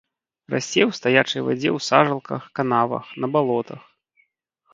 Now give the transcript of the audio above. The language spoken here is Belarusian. Расце ў стаячай вадзе ў сажалках, канавах, на балотах.